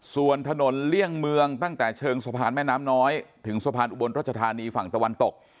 ส่วนถนนเลี่ยงเมืองตั้งแต่เชิงสะพานแม่น้ำน้อยถึงสะพานอุบลรัชธานีฝั่งตะวันตก